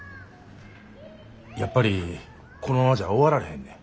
やっぱりこのままじゃ終わられへんねん。